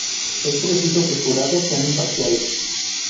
Es preciso que jurados sean imparciales.